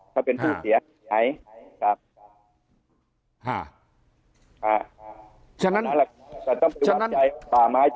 เขาเป็นผู้เสีย